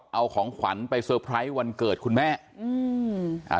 เอาของขวัญไปเตอร์ไพรส์วันเกิดคุณแม่อืมอ่า